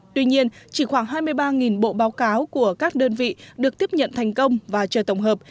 tuy nhiên chỉ khoảng hai mươi ba bộ báo cáo của các đơn vị được tiếp nhận thành công và chờ tổng hợp